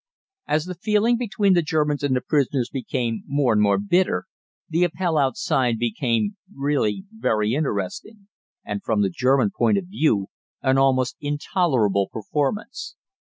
As the feeling between the Germans and the prisoners became more and more bitter, the Appell outside became really very exciting, and from the German point of view an almost intolerable performance.